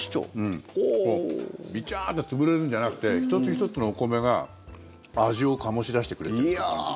ビチャーッて潰れるんじゃなくて１つ１つのお米が味を醸し出してくれてる感じ。